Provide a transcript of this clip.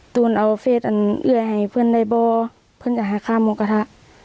ตูนเอาเฟสอันเอื่อยให้เพื่อนได้บ่อเพื่อนจะหาค่าหมูกระทะ